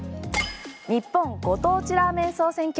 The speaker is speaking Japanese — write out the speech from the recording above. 日本ご当地ラーメン総選挙。